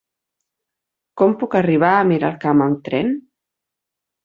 Com puc arribar a Miralcamp amb tren?